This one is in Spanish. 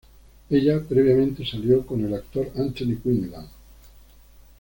Ella previamente salió con el actor Anthony Quinlan.